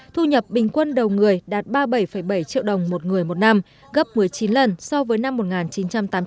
thu nhập bình quân đầu người đạt ba mươi bảy bảy triệu đồng một người một năm gấp một mươi chín lần so với năm một nghìn chín trăm tám mươi chín